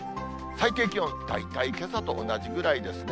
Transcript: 最低気温、大体けさと同じぐらいですね。